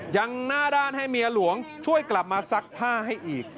ยังหน้าด้านให้เมียหลวงช่วยกลับมาซักผ้าให้อีก